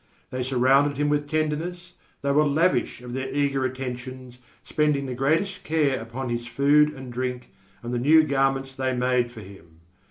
They surrounded him with tenderness, they were lavish of their eager attentions, spending the greatest care upon his food and drink and the new garments they made for him.